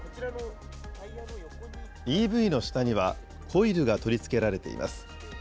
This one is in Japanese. ＥＶの下には、コイルが取り付けられています。